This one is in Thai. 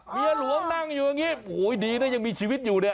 เมียหลวงนั่งอยู่อย่างนี้โอ้โหดีนะยังมีชีวิตอยู่เนี่ย